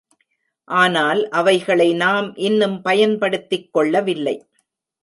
ஆனால் அவைகளை நாம் இன்னும் பயன்படுத்திக் கொள்ளவில்லை.